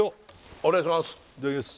お願いします